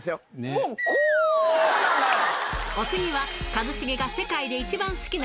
もうこうなんだから。